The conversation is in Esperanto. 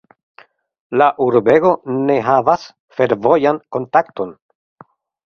La urbego ne havas fervojan kontakton.